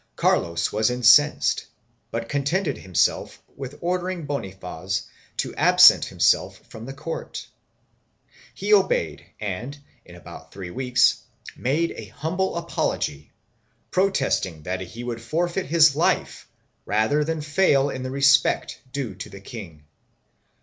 Carlos was incensed but contented himself with ordering Bonifaz to absent himself from the court; he obeyed and, in about three weeks, made an humble apology, protesting that he would forfeit his life rather than fail in the respect due to the king.